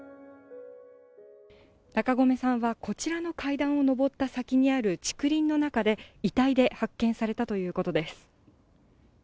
中込さんはこちらの階段を上った先にある竹林の中で、遺体で発見されたということです。